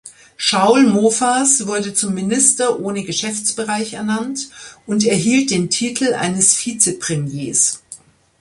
Schaul Mofas wurde zum Minister ohne Geschäftsbereich ernannt und erhielt den Titel eines Vize-Premiers.